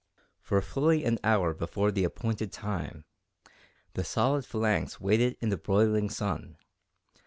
For fully an hour before the appointed time, the solid phalanx waited in the broiling sun.